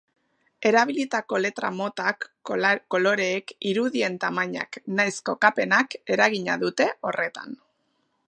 Erabilitako letra motak, koloreek, irudien tamainak nahiz kokapenak eragina dute horretan.